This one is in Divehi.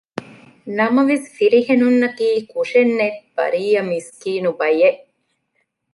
ނަމަވެސް ފިރިހެނުންނަކީ ކުށެއްނެތް ބަރީއަ މިސްކީނު ބަޔެއް